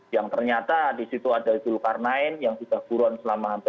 yang ternyata di situ ada ibu luka rain yang sudah buruan selama lamanya